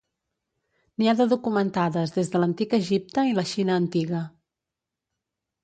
N'hi ha de documentades des de l'Antic Egipte i la Xina Antiga.